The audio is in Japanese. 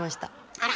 あら。